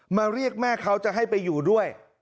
เรียกแม่เขาจะให้ไปอยู่ด้วย